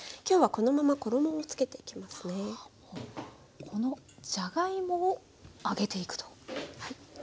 このじゃがいもを揚げていくと。